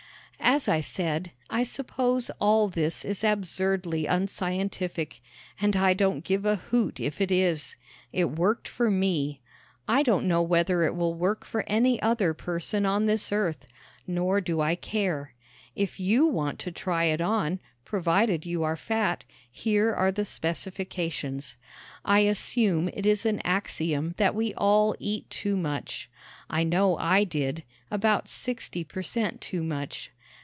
As I said, I suppose all this is absurdly unscientific and I don't give a hoot if it is. It worked for me. I don't know whether it will work for any other person on this earth. Nor do I care. If you want to try it on, provided you are fat, here are the specifications: I assume it is an axiom that we all eat too much. I know I did about sixty per cent too much.